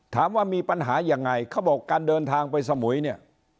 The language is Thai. ถามว่ามีปัญหายังไงเขาบอกการเดินทางไปสมุยเนี่ย